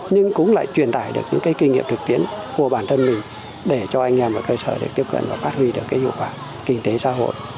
nhưng cũng lại truyền tải được những cái kinh nghiệm thực tiễn của bản thân mình để cho anh em ở cơ sở để tiếp cận và phát huy được cái hiệu quả kinh tế xã hội